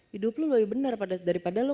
hidup lo lebih benar daripada lo